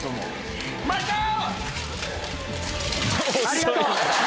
ありがとう！